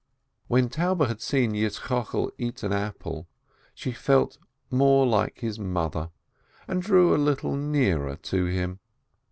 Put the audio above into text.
When Taube had seen Yitzchokel eat an apple, she felt more like his mother, and drew a little nearer to him.